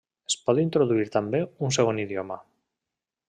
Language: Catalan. Es pot introduir també un segon idioma.